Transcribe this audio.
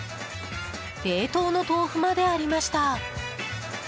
冷凍の豆腐までありました。